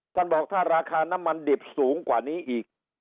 ท่านบอกถ้าราคาน้ำมันดิบสูงกว่านี้อีก